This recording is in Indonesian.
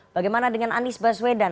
bagaimana dengan anies baswedan